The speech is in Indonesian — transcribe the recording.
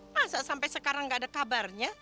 masa sampai sekarang nggak ada kabarnya